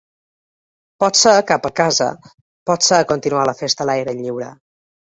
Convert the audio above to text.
Potser cap a casa, potser a continuar la festa a l’aire lliure.